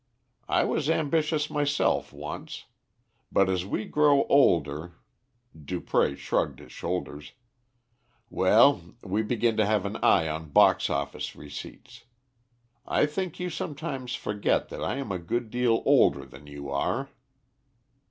I was ambitious myself once, but as we grow older" Dupré shrugged his shoulders "well, we begin to have an eye on box office receipts. I think you sometimes forget that I am a good deal older than you are."